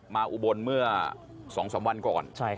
อุบลเมื่อ๒๓วันก่อน